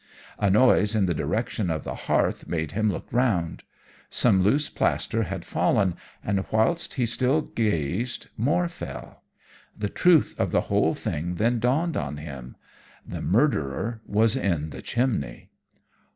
"A noise in the direction of the hearth made him look round. Some loose plaster had fallen, and whilst he still gazed, more fell. The truth of the whole thing then dawned on him. The murderer was in the chimney.